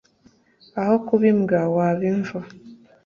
aho kuba imbwa waba imva